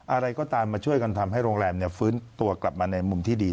อะไรก็ตามมาช่วยกันทำให้โรงแรมฟื้นตัวกลับมาในมุมที่ดี